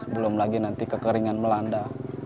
belum lagi nanti kekeringan melanda